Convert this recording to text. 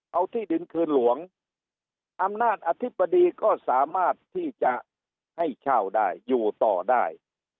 เอาที่ดินคืนหลวงอำนาจอธิบดีก็สามารถที่จะให้เช่าได้อยู่ต่อได้